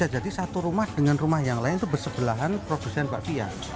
jadi satu rumah dengan rumah yang lain itu bersebelahan produsen mbak pia